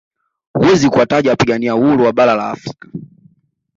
Huwezi kuwataja wapigania uhuru wa bara la Afrika